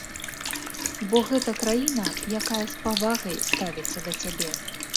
Бо гэта краіна, якая з павагай ставіцца да цябе.